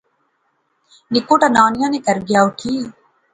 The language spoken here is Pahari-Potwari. نکوٹا نانیاں نے کہر گیا اُٹھی